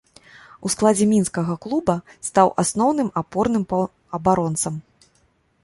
У складзе мінскага клуба стаў асноўным апорным паўабаронцам.